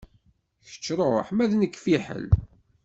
Kečč ṛuḥ ma d nekk fiḥel.